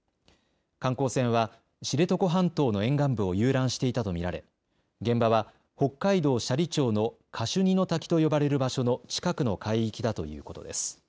観光船は知床半島の沿岸部を遊覧していたと見られ、現場は北海道斜里町のカシュニの滝と呼ばれる場所の近くの海域だということです。